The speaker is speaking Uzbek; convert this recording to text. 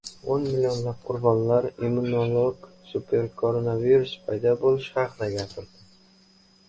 "O‘n millionlab qurbonlar": immunolog superkoronavirus paydo bo‘lishi haqida gapirdi